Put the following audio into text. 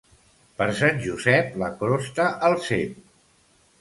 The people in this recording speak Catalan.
Per Sant Josep, la crosta al cep.